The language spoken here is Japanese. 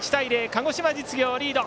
鹿児島実業リード。